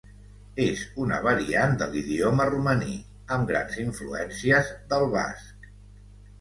És una variant de l'idioma romaní, amb grans influències del basc.